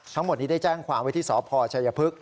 ทั้งหมดนี้ได้แจ้งความไว้ที่สพชัยพฤกษ